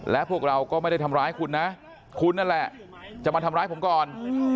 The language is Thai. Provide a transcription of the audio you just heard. และพวกเราก็ไม่ได้ทำร้ายคุณนะคุณนั่นแหละจะมาทำร้ายผมก่อน